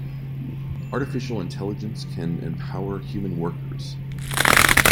Artificial Intelligence can empower human workers.